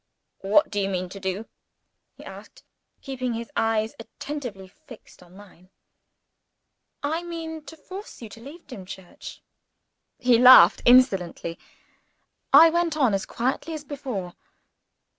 "What do you mean to do?" he asked, keeping his eyes attentively fixed on mine. "I mean to force you to leave Dimchurch." He laughed insolently. I went on as quietly as before.